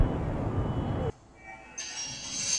کله ناکله زړې ظاهري بڼې ستر ارزښتونه پټوي.